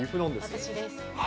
私です。